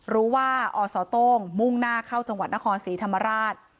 ว่าอสโต้งมุ่งหน้าเข้าจังหวัดนครศรีธรรมราช